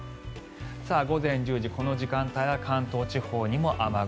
午前１０時、この時間帯は関東地方にも雨雲。